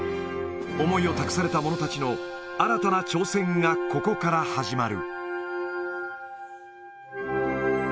思いを託された者たちの新たな挑戦がここから始まる。